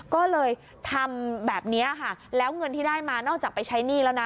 ก็เลยทำแบบนี้ค่ะแล้วเงินที่ได้มานอกจากไปใช้หนี้แล้วนะ